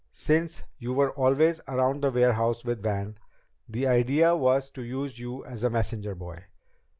Since you were always around the warehouse with Van, the idea was to use you as a messenger boy.